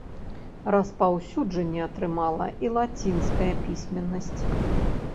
Распаўсюджванне атрымала і лацінская пісьменнасць.